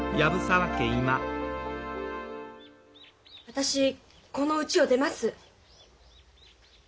私このうちを出ます。